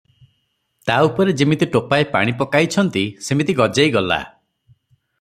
ତା ଉପରେ ଯିମିତି ଟୋପାଏ ପାଣି ପକାଇଛନ୍ତି, ସିମିତି ଗଜେଇ ଗଲା ।